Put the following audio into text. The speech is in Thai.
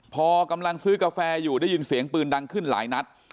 พอกำลังซื้อกาแฟอยู่ได้ยินเสียงปืนดังขึ้นหลายนัด